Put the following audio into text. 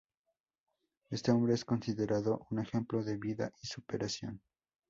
Este hombre es considerado un ejemplo de vida y superación.